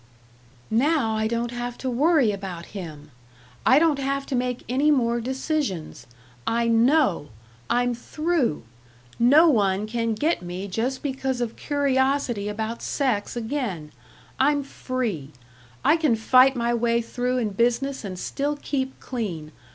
"Now I don't have to worry about him. I don't have to make any more decisions. I know! I'm through! No one can get me just because of curiosity about sex again. I'm free. I can fight my way through in business and still keep clean.